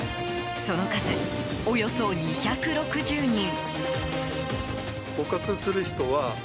その数、およそ２６０人。